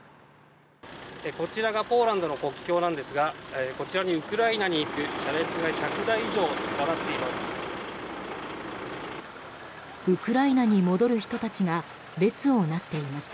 こちらがポーランドの国境なんですがウクライナに行く車列が１００台以上連なっています。